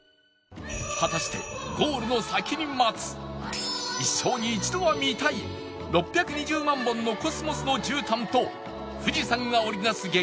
果たしてゴールの先に待つ一生に一度は見たい６２０万本のコスモスのじゅうたんと富士山が織り成す激